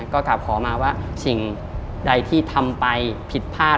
ก็กลับขอมาว่าสิ่งใดที่ทำไปผิดพลาด